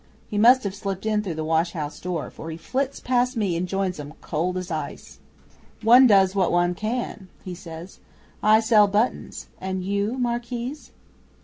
'He must have slipped in through the washhouse door, for he flits past me and joins 'em, cold as ice. '"One does what one can," he says. "I sell buttons. And you, Marquise?"